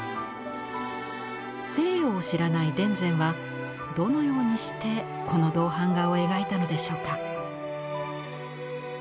西洋を知らない田善はどのようにしてこの銅版画を描いたのでしょうか。